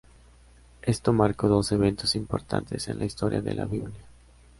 Esto marcó dos eventos importantes en la historia de Billboard.